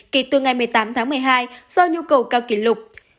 kể từ ngày một mươi tám tháng một mươi hai do nhu cầu cao kỷ lục